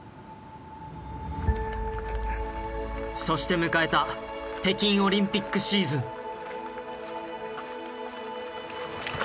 そして迎えた北京オリンピックシーズン。